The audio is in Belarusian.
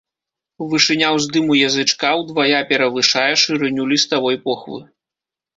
Вышыня ўздыму язычка ўдвая перавышае шырыню ліставой похвы.